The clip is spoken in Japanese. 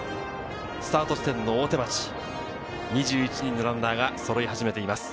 スタート地点の大手町、２１人のランナーがそろい始めています。